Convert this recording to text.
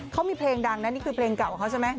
เขามีเพลงดังนะนี่คือเพลงเก่าของเขาใช่ไหม